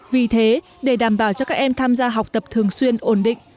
vì thế để đảm bảo cho các em tham gia học tập thường xuyên ổn định